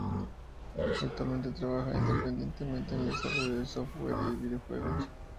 Actualmente trabajan independientemente en el desarrollo de software y videojuegos.